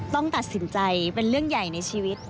ต้องตัดสินใจเป็นเรื่องใหญ่ในชีวิต